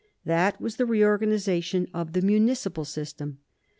That was the reorganization of the municipal system.